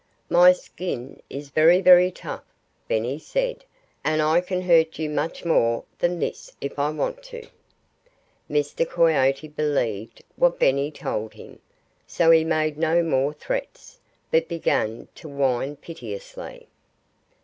"My skin is very, very tough," Benny said. "And I can hurt you much more than this if I want to." Mr. Coyote believed what Benny told him. So he made no more threats, but began to whine piteously.